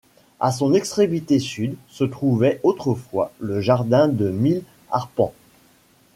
À son extrémité sud se trouvait autrefois le jardin de Mille arpents.